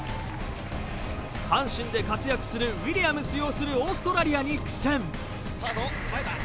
阪神で活躍するウィリアムス擁するオーストラリアに苦戦。